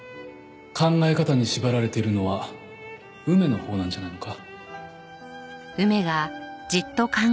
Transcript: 考え方に縛られているのは梅のほうなんじゃないのか？